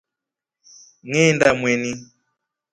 Ngeenda Mweni.